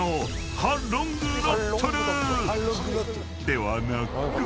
［ではなく］